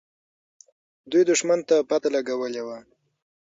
دوی دښمن ته پته لګولې وه.